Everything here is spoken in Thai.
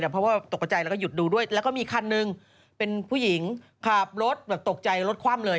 เพราะว่าตกกระใจแล้วก็หยุดดูด้วยแล้วก็มีคันหนึ่งเป็นผู้หญิงขับรถแบบตกใจรถคว่ำเลย